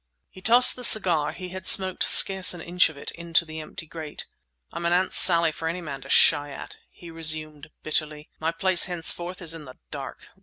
He tossed the cigar—he had smoked scarce an inch of it—into the empty grate. "I'm an Aunt Sally for any man to shy at," he resumed bitterly. "My place henceforth is in the dark.